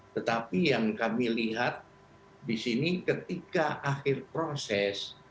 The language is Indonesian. tetapi yang kami lihat di sini ketika akhir proses